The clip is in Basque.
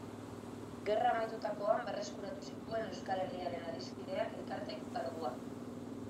Gerra amaitutakoan berreskuratu zituen Euskal Herriaren Adiskideak elkarteko karguak.